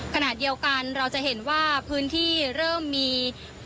ขณะเดียวกันเราจะเห็นว่าพื้นที่เริ่มมี